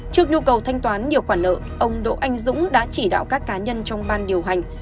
trước nhu cầu thanh toán nhiều khoản nợ ông đỗ anh dũng đã chỉ đạo các cá nhân trong ban điều hành